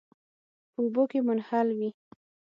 په اوبو کې منحل وي.